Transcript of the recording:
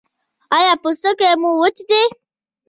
ایا پوستکی مو وچ دی؟